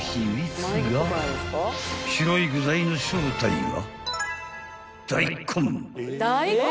［白い具材の正体は］